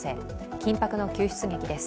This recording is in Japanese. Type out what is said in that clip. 緊迫の救出劇です。